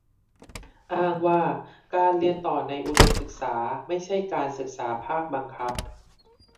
อ้างว่า การเรียนต่อในอุดมศึกษาไม่ใช่การศึกษาภาคบังคับ